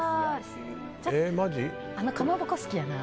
あのかまぼこ、好きやな。